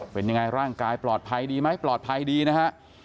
เป็นยังไงร่างกายปลอดภัยดีไหมปลอดภัยดีนะฮะ